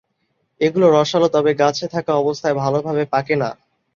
এগুলো রসালো তবে গাছে থাকা অবস্থায় ভালভাবে পাকে না।